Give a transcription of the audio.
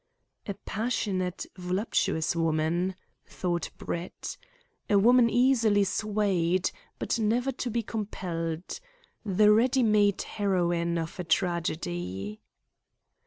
"A passionate, voluptuous woman," thought Brett. "A woman easily swayed, but never to be compelled, the ready made heroine of a tragedy."